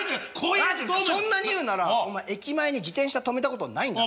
そんなに言うんならお前駅前に自転車止めたことないんだな。